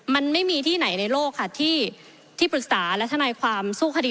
มันไม่มีที่ไหนในโลกค่ะที่ปรึกษาและทนายความสู้คดี